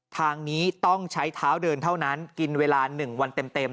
ทางนี้ต้องใช้เท้าเดินเท่านั้นกินเวลา๑วันเต็ม